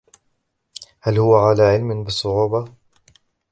هل هو على علم بالصعوبة؟